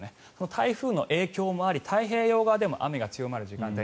台風の影響もあり太平洋側でも雨が強まる時間帯